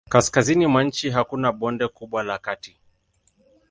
Kaskazini mwa nchi hakuna bonde kubwa la kati.